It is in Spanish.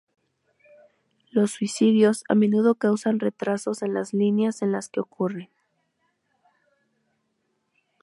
Los suicidios a menudo causan retrasos en las líneas en las que ocurren.